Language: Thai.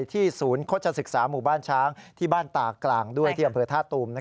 ศูนย์โฆษศึกษาหมู่บ้านช้างที่บ้านตากลางด้วยที่อำเภอท่าตูม